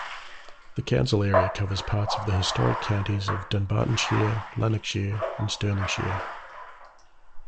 The council area covers parts of the historic counties of Dunbartonshire, Lanarkshire and Stirlingshire.